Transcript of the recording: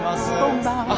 こんばんは。